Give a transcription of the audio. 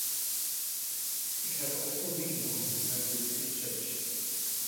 It has also been known as The Little Church.